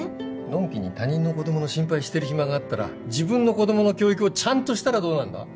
のんきに他人の子供の心配してる暇があったら自分の子供の教育をちゃんとしたらどうなんだ！